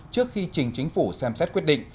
trước khi chính chính phủ xem xét quyết định